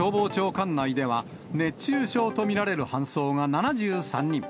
管内では、熱中症と見られる搬送が７３人。